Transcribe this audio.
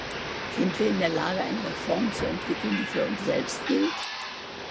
Sind wir in der Lage eine Reform zu entwickeln, die für uns selbst gilt?